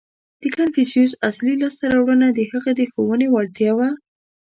• د کنفوسیوس اصلي لاسته راوړنه د هغه د ښوونې وړتیا وه.